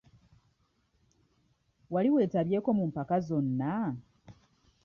Wali weetabyeko mu mpaka zonna?